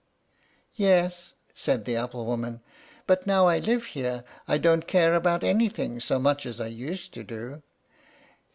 "Yes," said the apple woman; "but now I live here I don't care about anything so much as I used to do.